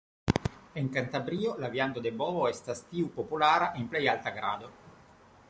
En Kantabrio la viando de bovo estas tiu populara en plej alta grado.